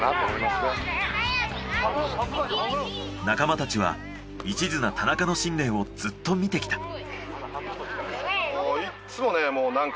仲間たちは一途な田中の信念をずっと見てきた。